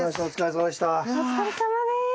お疲れさまでした。